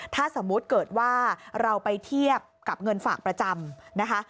ถ้าสมมุติเกิดว่าเราไปเทียบกับเงินฝากประจำนะคะ